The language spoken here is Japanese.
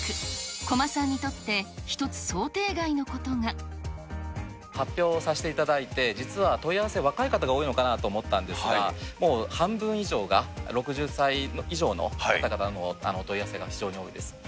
小間さんにとって、１つ、発表させていただいて、実は問い合わせ、若い方が多いのかなと思ったんですが、もう半分以上が６０歳以上の方々からのお問い合わせが非常に多いです。